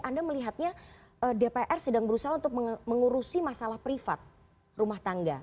anda melihatnya dpr sedang berusaha untuk mengurusi masalah privat rumah tangga